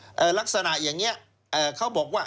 แต่ลักษณะอย่างเนี้ยเค้าบอกว่า